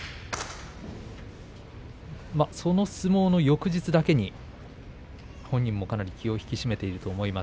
その相撲の翌日だけに本人もかなり気を引き締めていると思います。